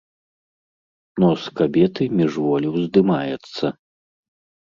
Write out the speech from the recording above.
Нос кабеты міжволі ўздымаецца.